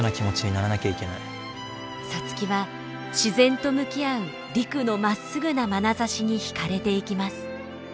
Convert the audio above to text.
皐月は自然と向き合う陸のまっすぐなまなざしに惹かれていきます。